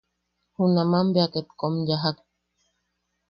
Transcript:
Junaman bea ket kom yajak.